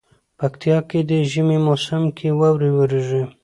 پکتيا کي دي ژمي موسم کي واوري وريږي